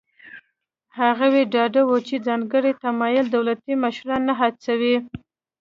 هغوی ډاډه وو چې ځانګړی تمایل دولتي مشران نه هڅوي.